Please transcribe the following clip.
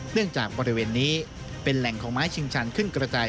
จากบริเวณนี้เป็นแหล่งของไม้ชิงชันขึ้นกระจาย